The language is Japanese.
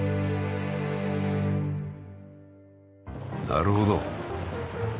なるほど。